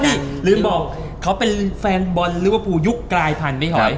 นี่ลืมบอกเขาเป็นแฟนบอลลิเวอร์พูลยุคกลายพันธุพี่หอย